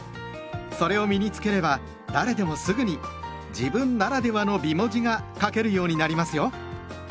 それを身に付ければ誰でもすぐに「自分ならではの美文字」が書けるようになりますよ。